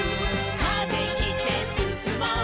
「風切ってすすもう」